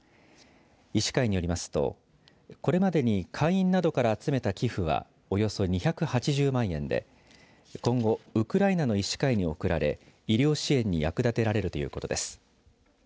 医師会によりますとこれまでに会員などから集めた寄付はおよそ２８０万円で今後ウクライナの医師会に送られ医療支援に役立てられるということです。